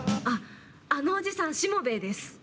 あっあのおじさんしもべえです。